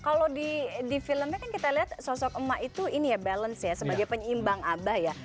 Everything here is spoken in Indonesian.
kalau di filmnya kan kita lihat sosok emak itu ini ya balance ya sebagai penyeimbang abah ya